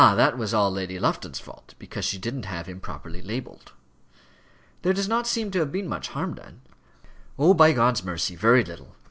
that was all Lady Lufton's fault, because she didn't have him properly labelled." "There does not seem to have been much harm done?" "Oh! by God's mercy, very little.